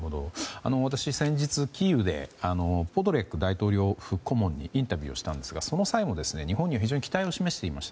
私、先日キーウでポドリャク大統領府顧問にインタビューしたんですがその際も、日本には非常に期待を示していました。